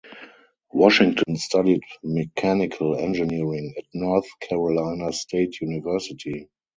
Washington studied mechanical engineering at North Carolina State University.